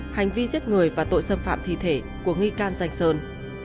hành vi giết người và tội xâm phạm thi thể của nghi can danh sơn